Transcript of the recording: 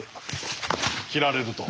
切られると。